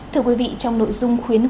thưa quý vị trong nội dung khuyến khích